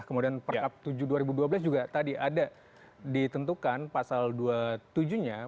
kemudian perkab tujuh dua ribu dua belas juga tadi ada ditentukan pasal dua puluh tujuh nya